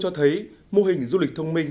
cho thấy mô hình du lịch thông minh